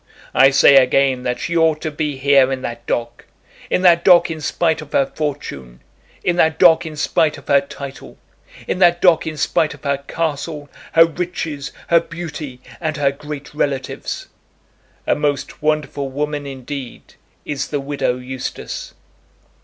I say again that she ought to be here in that dock, in that dock in spite of her fortune, in that dock in spite of her title, in that dock in spite of her castle, her riches, her beauty, and her great relatives. A most wonderful woman, indeed, is the widow Eustace.